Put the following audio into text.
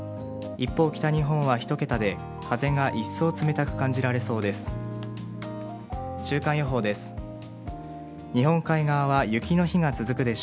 一方、北日本は１桁で風が一層冷たく感じられそうです。